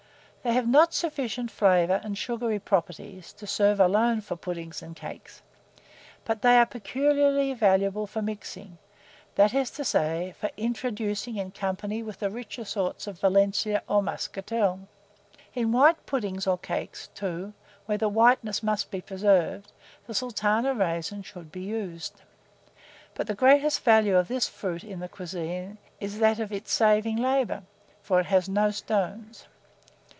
They have not sufficient flavour and sugary properties to serve alone for puddings and cakes, but they are peculiarly valuable for mixing, that is to say, for introducing in company with the richer sorts of Valencias or Muscatels. In white puddings, or cakes, too, where the whiteness must be preserved, the Sultana raisin should be used. But the greatest value of this fruit in the cuisine is that of its saving labour; for it has no stones.